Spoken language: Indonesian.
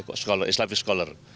untuk pesantren islam